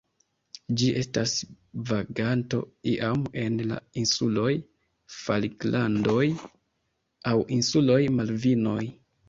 Ĝi estas vaganto iam en la insuloj Falklandoj aŭ insuloj Malvinoj.